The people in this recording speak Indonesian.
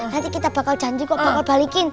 nanti kita bakal janji kok bakal balikin